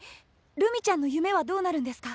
るみちゃんの夢はどうなるんですか？